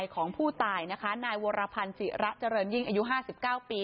ของผู้ตายนะคะนายวรพันธ์สิระเจริญยิ่งอายุห้าสิบเก้าปี